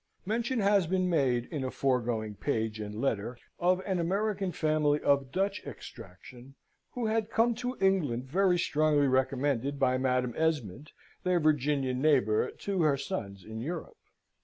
Mention has been made, in a foregoing page and letter, of an American family of Dutch extraction, who had come to England very strongly recommended by Madam Esmond, their Virginian neighbour, to her sons in Europe.